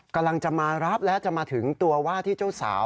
กำลังจะมารับและจะมาถึงตัวว่าที่เจ้าสาว